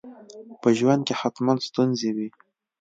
په ژوند کي حتماً ستونزي وي.